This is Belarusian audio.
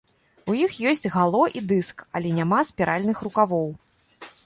У іх ёсць гало і дыск, але няма спіральных рукавоў.